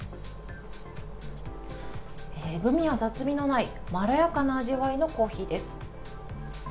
えぐみや雑味のないまろやかな味わいのコーヒーです。